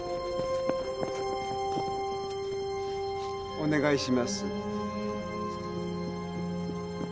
お願いします。